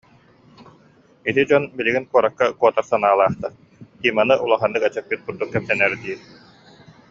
Ити дьон билигин куоракка куотар санаалаахтар, Тиманы улаханнык эчэппит курдук кэпсэнэр дии